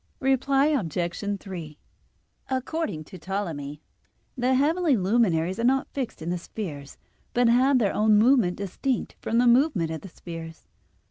Reply Obj. 3: According to Ptolemy the heavenly luminaries are not fixed in the spheres, but have their own movement distinct from the movement of the spheres.